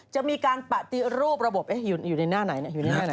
จะมีการปฏิรูประบบอยู่ในหน้าไหน